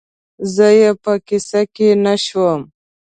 زه یې په قصه کې نه شوم